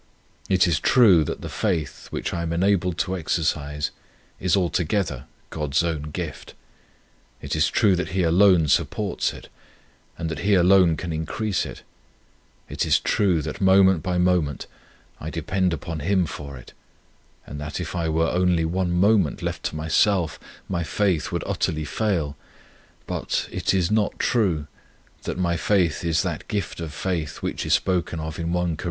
It is true that the faith, which I am enabled to exercise, is altogether God's own gift; it is true that He alone supports it, and that He alone can increase it; it is true that, moment by moment, I depend upon Him for it, and that, if I were only one moment left to myself, my faith would utterly fail; but it is not true that my faith is that gift of faith which is spoken of in 1 Cor.